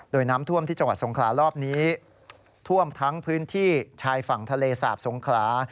โดยน้ำท่วมที่จังหวัดสงขลารอบนี้ท่วมทั้งพื้นที่ชายฝั่งทะเลสาบสงขลา